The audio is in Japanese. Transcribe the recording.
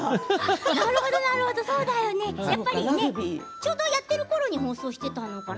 ちょうどやってるころに放送していたのかな？